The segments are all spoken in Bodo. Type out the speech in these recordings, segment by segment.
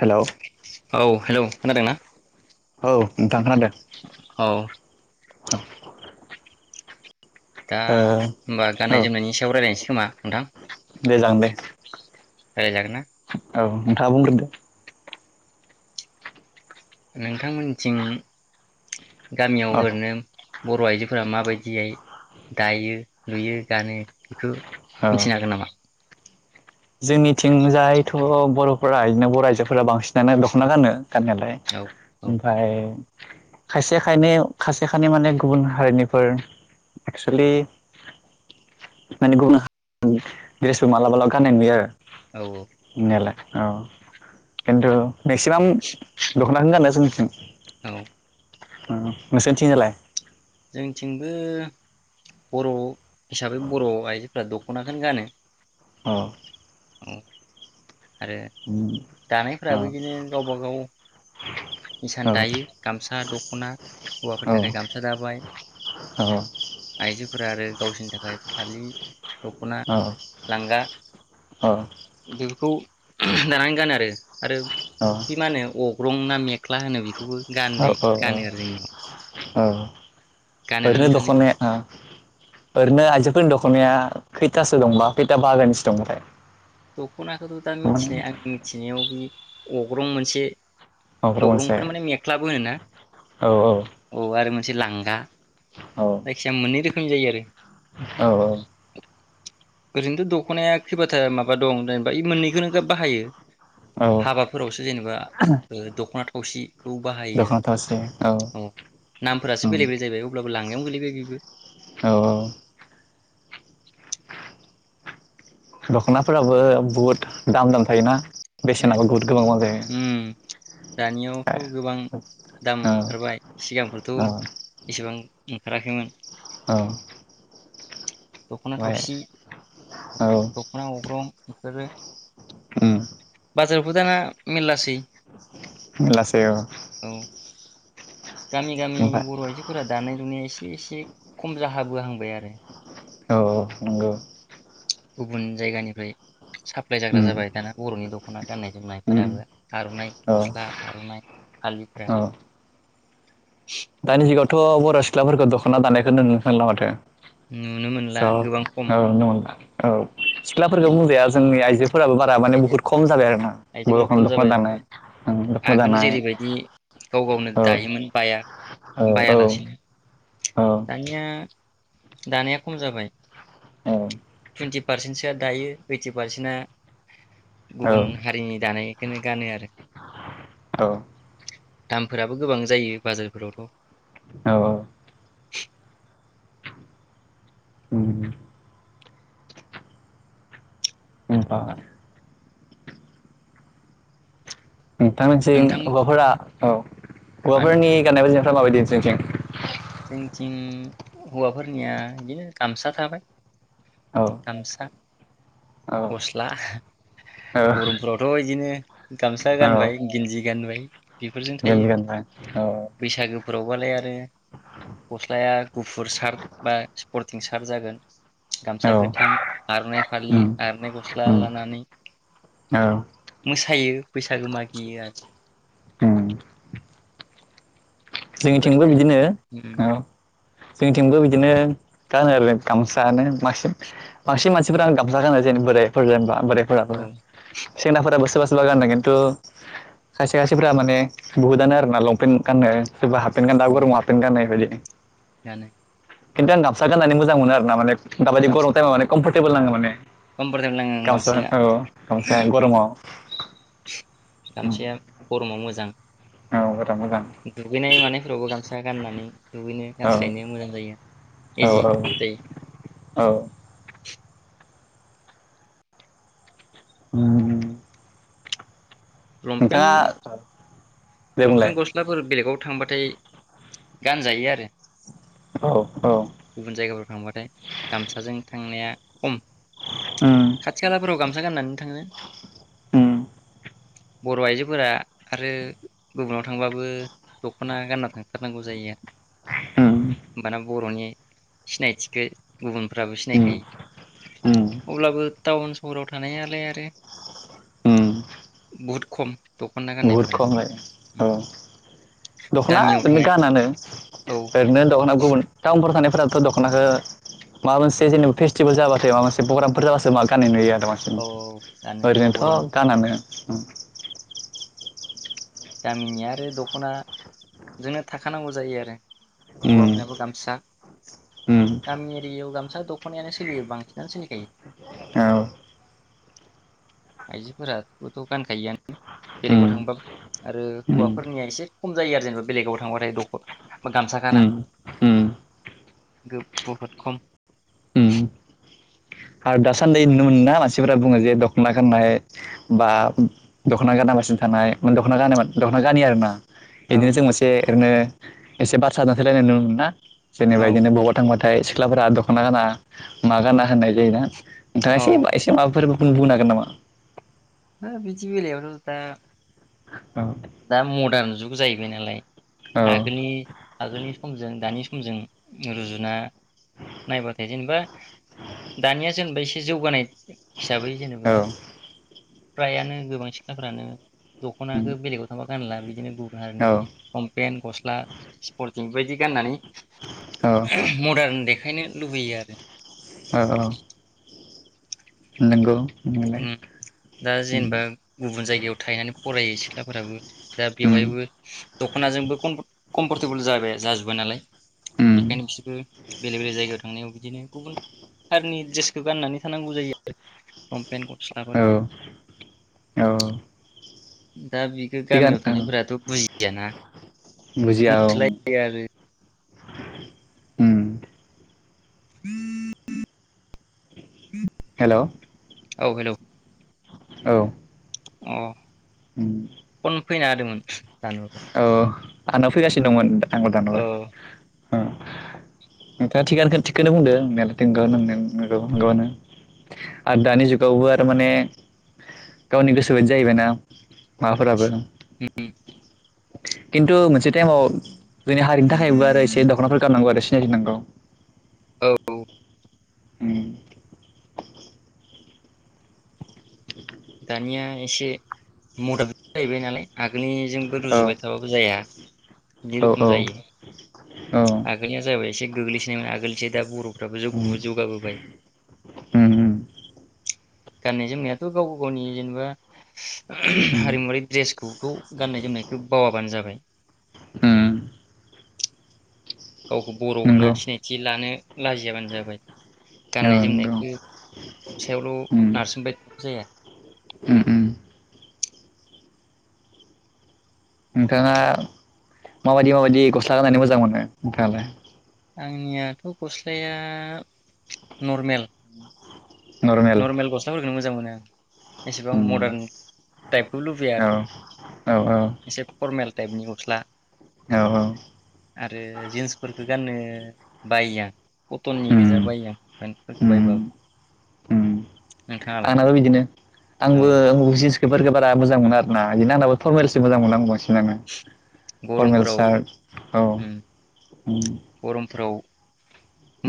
हेल'। हेल' खोनादोंना? औ नोंथां खोनादों। औ। [inaudible] दा ओ होमबा औ गाननाय जोमनायनि सायाव रायज्लायनोसै। खोमा? दे जागोन दे। रायलायजागोन। औ। नोंथाङा बुंग्रोदो। नोंथांमोनथिं गामियाव औ ओरैनो बर' आइजोफोरा माबायदियै दायो लुयो गानो बेखौ औ मिथिनो हागोन नामा? जोंनिथिंजायथ' बर'फोरा इदिनो बर' आइजोफोरा बांसिनानो दख'ना गानो गाननायालाय औ औ ओमफ्राय खायसे खायनै खायसे खायनै माने गुबुन हारिनिफोर एक्सलि माने गुबुन द्रेसबो मालाबा ला गाननाय नुयो औ आरो। [unintelligible] औ खिन्थु मेक्सिमाम दख'नाखोनो गानो जोंनिथिं। औ। ओ नोंसोरनि थिंजायलाय? जोंथिंबो बर' हिसाबै बर' आइजोफोरा दख'नाखौनो गानो। औ। औ आरो उम औ दानायफोराबो बिदिनो गावबा गाव इसान औ दायो गामसा दख'ना हौवाफोरनि औ थाखाय गामसा दाबाय आइजोफोरा आरो गावसिनि थाखाय फालि दख'ना लांगा बि खौ दानानै गानो आरो। आरो बि मा होनो अक ग्रं ना मे ख्ला होनो बेखौबो औ गाननाय औ औ गानो आरो जोंनियाव। औ। गानोना फोरनो नोंसानि दखनाया ओ फोरनो आइजोफोरनि दख' नाया खैथासो दंबा खैथा बाहागोनिसो दंबावथाय? दख'नाखौथ' दा मिथिनाय आंनि मिथिनायाव बि अग्रं मोनसे मोनसे अग्रंखोनो माने मेख्लाबो होनो ना? औ औ। से लांगा। औ जायखिया मोननै रो होनजायो आरो औ औ ओरैनोथ' दख'नाया खैबाथा माबा दं जेनेबा बे मोननैखौनो गाब बाहायो औ हाबाफोरावसो जेनेबा दख'ना थावसि खौ बाहायो दख'ना थावसि औ आरो अ नामफोरासो उम बेले बेले जाहैबाय अब्लाबो लांगायावनो गोलैबाय बेबो औ दखनाफोराबो बहुत दाम दाम थायोना बेसेनाबो बहुद गोबां गोबां जायो दानियावथ' औ गोबां दाम औ ओंखारबाय सिगांफोरथ' एसेबां ओंखाराखैमोन औ ओमफ्राय दख'ना थावसि औ दखना अग्रं इफोरो उम बाजारावबो दाना मेरलासै मेरलासेै ओ औ गामि गामि बर ओमफ्राय आइजो फोरा दानाय लुनाया एसे एसे खम जाहांबोहांबाय आरो औ नंगौ गुबुन जायगानिफ्राय साप्लाय जाग्रा उम जाबाय दाना बर'नि दख'ना गाननाय उम जोमनायफोराबो आर'नाइ औ गस्ला आर'नाइ फालिफोरा औ दानि जुगावथ' बर' सिख्लाफोरखौ दख'ना दानायखौ नुनो मोनला माथो नुनो स' मोनला औ गोबां खम नंगौ नोंथां औ सिख्लाफोरखौ बुंजाया जोंनि आइजो फोराबो बारा माने आइजो बहुत खम जाबाय आरो ना आइजोफोरा खम जाबाय आगोल दानाय जेरैबायदि गाव गावनो औ दायोमोन बायया औ औ बायालासिनो औ दानिया दानाया खम जाबाय टुइन्टि पारसेन्टसोआ दायो ओइटि पारसेन्टआ गुबुन हारिनि दानायखौनो गानो आरो औ दामफोराबो गोबां जायो बाजारफोरावथ' औ उम ओमफ्राय नोंथांमोनजों नोंथां हौवाफोरा औ मा गवाफोरनि गाननाय खालामाबाय बिथिं हौवाफोरनिया बिदिनो गामसा थाबाय औ गामसा औ गस्ला औ गरमफोरावथ' बिदिनो गामसा औ गानबाय गिन्जि गानबाय बेफोरजों गेन्जि गानबाय औ गुरावबालाय आरो गस्लाया गुफुर सार्ट बा स्पर्टिं सार्थ जागोन गामसा औ गोथां आर'नाइ फालि उम आर'नायइ गस्ला उम लानानै औ मोसायो बैसागो मागियो उम आरो जोंनिथिंबो ओरैनो बिदिनो उम औ। जोंनिथिंबो बिदिनो गानो आरो गामसायानो बांसिन बांसिन मानसिफोरानो गामसा गानो जेन बोराइफोर जेनेबा। बोरायफोराबो औ सेंग्राफोराबो सोरबा सोरबा। सुला गाननो खिन्थु खायसे खायसेफ्रा माने बुहुदआनो आरो ना लंपेन्ट गाननो। बा हा पेन खानदा गरमाव हापेन गाननाय बायदि। जानो खिन्थु आं गामसा गाननानै मोजां मोनो आर ना माने। दाबायदि गामसा गरम ताइमाव माने कमर्फत तेबल नाङो माने। कम्फर्टेबल नाङो गामसा गामसाया औ गामसाया गरमाव। गामसाया गरमाव मोजां। औ बिराद मोजां दुगैनाय मानायफोरावबो गामसा गाननानै। दुगैनो औ गानस्लायनो मोजां जायो औ इजि जायो। औ। उम नोंथाङा लंपेन्ट दे बुंलाय लंपेन गस्लाफोर बेलेगाव थांबाथाय गानजायो आरो। औ औ। गुबुन जायगाफोराव थांबाथाय गामसाजों थांनाया खम उम खाथि खालाफोराव गामसा गाननानै थाङो। उम बर' आइजोफोरा आरो गुबुनाव थांबाबो दख'ना गानना थांथारनांगौ जायो आरो उम होमबाना बर'नि सिनायथिखो गुबुनफ्राबो उम सिनायखायो। उम अब्लाबो टाउन सहराव थानायालाय आरो उम बहुत खम। खनना बुहुद गाननायफोरा। खमै औ दख'ना गामियाव ओरैनो थानाय गानानो औ ओरैनो दख'ना गुबुन टाउनफोर थानाय फोराबथ' दख'नाखौ माबा मोनसे जेनेबा फेस्टिभेल जाबाथाय माबा मोन प्रग्रामफोर जाबासो मा गाननाय नुयो आरो। आरो बांसिन औ गानो ओरैनोथ' बर'नि गानानो। ओम। गामिनि आरो दख'नाजोंनो थाखानांगौ जायो आरो। उम होवाफोरनाबो गामसा। उम गामि एरियायाव गामसा दख'नायानो सोलियो बांसिनानो सोलिखायो। औ आइजोफोराबोथ' गानखायोआनो उम बेलेगाव थांबा आरो उम हौवाफोरनिया एसे खम जायो आरो जेनेबा बेलेगाव थांबाथाय दख' बा गामसा गाना उम उम गो बहुद खम। उम आरो दासानदै नुनो मोना मानसिफोरा बुङो जे दख'ना गाननाय बा दख'ना गानना बासिनो थानाय मेने दख'ना दख'ना गानि आरो ना। औ बिदिनो जों मोनसे बेनो एसे बारसा [unintelligible] जेनेबा औ बिदिनो बबाव थांबथाय सिख्लाफोरा दख'ना गाना। मागाना होननाय नोंथाङा एसे औ एसे माबा फोरबोखुं बुंनो हांगोन नामा हा बदि बेलायावथ दा - - औ दा मदार्न जुग जाहैबाय नालाय औ आगोलनि आगोलनि समजों दानि सम समजों रुजुना नायबाथाय जेनेबा दानिया जेनेबा एसे जौगानाय हिसाबै औ जेनेबा फ्रायानो गोबां सिख्लाफ्रानो दख'नाखौ बेलेगाव गानला बिदिनो गुबुन औ हारिनिफोरनि लंफेन गस्ला सिफ बायदि गाननानै औ मदारन दे खायनो लुबैयो आरो औ औ नंगौ नंनायालाय ओम दा जेनेबा उम गुबुन जायगायाव थाहनानै फरायो सिख्लाफोराबो दा बेवहायबो दख'नाजोंबो कमफरटेबोल जाबाय जाजोब जोबा नालाय उम बेखायनो बिसोरबो बेलेग बेलेग जायगायाव थांनायाव बिदिनो गुबुन हारिनि ड्रेस बेखौ गाननानै थानांगौ जायो आरो फेन औ गस्लाफोरखौ औ दा बेखौ थिगानो गामियाव औ थानायफोराथ' बुजियाना बुजिया औ बुंसोलायो आरो उम हेल' औ हेलौ औ अ उम फन फैना होदोंमोन दानहरबाय आंना फैगासिनो दंमोन दा आंबो औ दानहरबाय ओ नोंथाङा थिगानो थिगखौनो बुंदों नंनायालाय न नगौ नंगौयानो आरो दानि जुगावबो आरो माने गावनि गोसोबायदि जाहैबायनाा माबाफोराबो हम खिन्थु मोनसे टाइमाव जोंनि हारिनि थाखायबो आरो एसे दख'नाफोर गाननांगौ आरो सि [unintelligible] औ। उम। [inaudible] दानिया एसे मर्दान जुग जाहैबाय नालाय आगो आगोलनिजोंबो औ रुजुबाय थाबाबो जाया बिदि औ रखम जायो औ आगोलनिया जाबाय एसे गोग्लैसोनायमोन आगोलनिसाय दा बर'खौ [unintelligible] जौगाबोबाय। नंगौ गाननाय जोमनायाथ' गाव गाव गनि जेनेबा हारिमुवारि ड्रेसफोरखौ गाननाय जोमनायखौ बावाबानो जाबाय। उम। गावखौ बर' होनना सिनायथि लानो लाजियाबानो जाबाय। औ गाननाय नंगौ जोमनायखौ फिसायावल' नारसोमबाय था जाया। उम उम। नोंथाङा माबायदि माबायदि गस्ला गाननानै मोजां मोनो नोंथाङालाय? आंनियाथ' गस्लाया नरमेल। नरमेल नर्मेल गस्लाफोरखौनो मोजां मोनो। [inaudible] औ एसेबां मदार्न टाइपबो लुबैया औ आरो औ एसे फर्मेल। टाइपनि गस्ला। औ आरो जिन्सफोर बेखौ गाननो बायो आं। कटननि गोजा बायो आं पेनटफोरखौ बायबाबो। नोंथाङालाय आंनाबो बिदिनो औ आंबो जिस बेफोरफोरखौ बारा मोजां मोनो आरोना। बिदिनो आंनाबो फरमेलसो मोजां मोनो आंबो बांसिननानो आङो फरमेल गरमफोराव सार्ट औ उम उम। गरमफोराव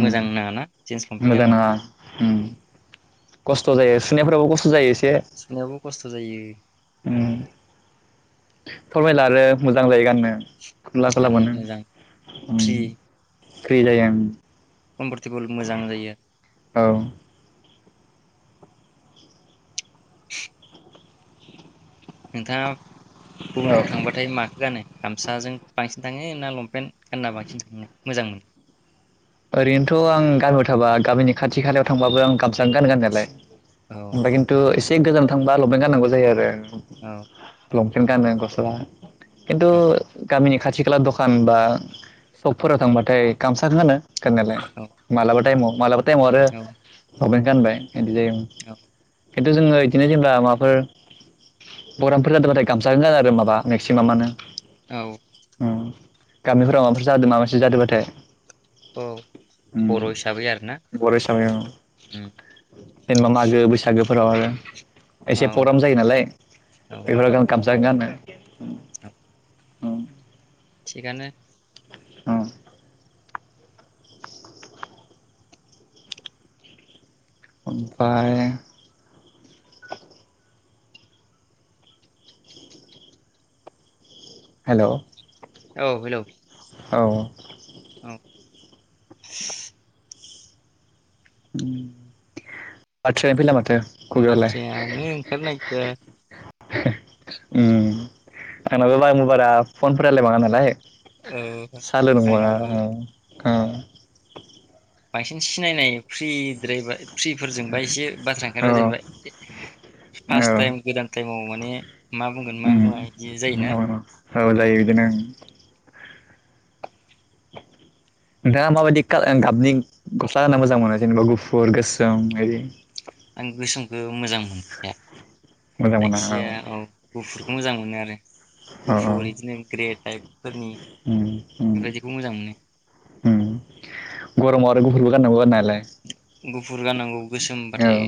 मोजां नाङाना जिन्स लमपेन्ट मोजां नाङा गाननो। खस्थ' जायो सुनायफोराबो खस्थ' जायो एसे सुनायावबो खस्थ' जायो। फरमेला आरो मोजां जायो गाननो। खुला खुला गाननो मोनो। मोजां फ्रि फ्रि जायो उम। कमफर्टेबोल मोजां जायो आरो। [inaudible] नोंथाङा औ गुबुनफ्राव थांबाथाय माखौ गानो गामसाजों बांसिन थाङो ना लंपेन्ट गानना बांसिन थाङो मोजां मोनो। ओरैनोथ' आं गामियाव थाबा गामिनि खाथि खालायाव थांबाबो आं गाम गान गानायालाय औ ओमफाय खिनथु एसे गोजानाव थांबा लमपेन्ट गाननांगौ जायो आरो। औ [unintelligible] [unintelligible] खिन्थु औ गामिनि खाथि खाला दखान बा शकफोराव थांबाथाय गामसाखौनो गानो। गाननायालाय औ मालाबा टाइमाव। मालाबा थाइमाव आरो। गानबाय। एदि जायोम औ खिन्थु जोङो बिदिनो जेनेबा माबाफोर प्रग्रामफोर जादोंबाथाय गामसा ग जादों आरो माबा मेक्सिमामानो औ। गामिफोराव माबाफोर जादों माबासे जादोंबाथाय औ बर' हिसाबै आरोना बर हसाबायाव उम जेनेबा मागो बैसागो फोराव आरो। औ एसे प्रग्राम जायो नालाय औ औ बेफोर गान गामसा गानो औ औ। थिगानो। औ। ओमफ्राय हेलौ। औ हेलौ। औ। औ आथसा [unintelligible] बाथ्रायानो ओंखारनो नागिरा। आंनाबो बा मबारा फनफोर रालाय बङा नालाय। औ सालर बाङा आंनाबो ओ। बांसिन सिनायनाय फ्रिद्रायबा फ्रिफोरजोंबा एसे बाथ्रा औ ओंखारो जेनेबा फार्स्ट औ टाइम गोदान टाइमाव माने मा बुंगोन मा उम बुङा इदि जायोना औ औ उम जायो बिदिनो नोंथाङा माबायदि [unintelligible] गाबनि गस्ला गानना मोजां मोनो जेनेबा गुफुर गोसोम बायदि [unintelligible] जायखिाया औ गुफुरखौ मोजां मोनो आरो। औ गुफुर इदिनो [unintelligible] थाइपफोरनि उम उम बेबायदिखौ मोजां मोनो। उम गरमाव आरो गुफुरबो गाननांगौ गाननायालाय गुफुर गाननांगौ गोसोमबाथाय औ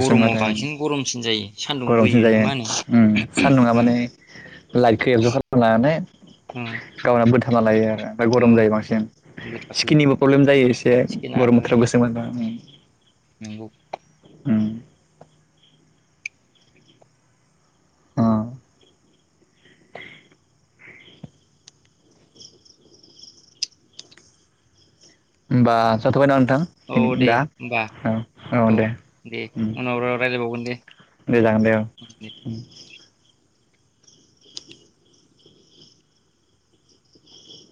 गरमाव बांसिन गरमसिन जायो। सान्दुं गरमसिन बोयो जायो ना मा होनो उम सानदुं आ माने उम लाइतखौ उम [unintelligible] गावना बोथाबना लायो आरो ओमफ्राय औ गरम जायो बांसिन बोथाबो स्किननिबो प्रब्लेम जायो एसे गरम चिकेनाबो बोथोराव गोसोम [unintelligible] उम नंगौ अ होमबा जाथ'बायना नों थां औ [unintelligible] दे दा होमबा औ औ दे दे उम उनाव रायलायबावगोन दे दे जागोन दे औ